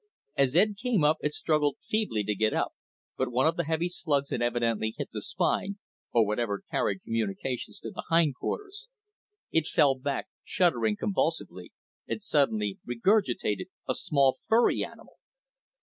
As Ed came up it struggled feebly to get up, but one of the heavy slugs had evidently hit the spine, or whatever carried communications to the hindquarters. It fell back, shuddering convulsively, and suddenly regurgitated a small, furry animal.